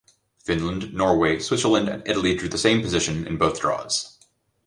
Finland, Norway, Switzerland and Italy drew the same position in both draws.